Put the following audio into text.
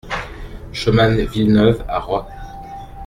Chemin Villeneuve à Rots